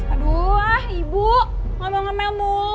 aduh ibu ngomel ngomel mulu